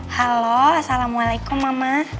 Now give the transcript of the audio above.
halo assalamualaikum mama